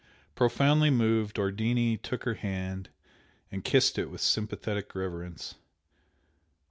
Profoundly moved, Ardini took her hand, and kissed it with sympathetic reverence.